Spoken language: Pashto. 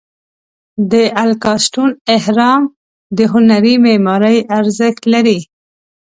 د الکاستون اهرام د هنري معمارۍ ارزښت لري.